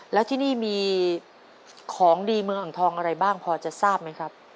แล้วที่นี่มีของดีเมืองอ่างทองอะไรบ้างพอจะทราบไหมครับ